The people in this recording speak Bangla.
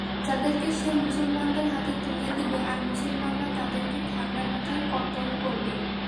যাদেরকে সে মুসলমানদের হাতে তুলে দিবে আর মুসলমানরা তাদেরকে ঠাণ্ডা মাথায় কতল করবে।